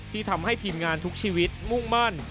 ที่ทำให้ทีมงานทุกชีวิตมุ่งมั่น